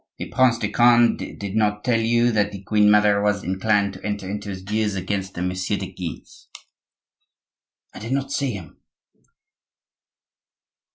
"The Prince de Conde did not tell you that the queen mother was inclined to enter into his views against the Messieurs de Guise?" "I did not see him."